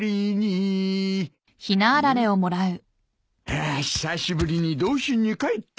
ハァ久しぶりに童心に帰った。